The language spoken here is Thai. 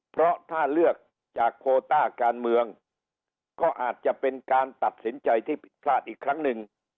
เพราะถ้าเลือกจากโคต้าการเมืองก็อาจจะเป็นการตัดสินใจที่ผิดพลาดอีกครั้งหนึ่ง